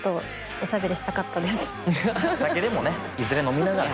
お酒でもねいずれ飲みながら。